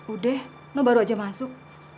udah no baru aja masuk